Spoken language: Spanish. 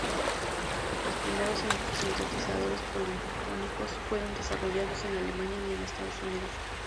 Los primeros sintetizadores polifónicos fueron desarrollados en Alemania y en Estados Unidos.